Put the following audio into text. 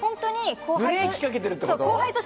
ブレーキかけてるってこと？